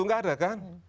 tidak ada kan